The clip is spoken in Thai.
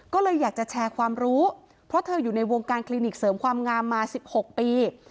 ก็เลยอยากจะแชร์ความรู้เพราะเธออยู่ในวงการคลินิกเสริมความงามมา๑๖ปี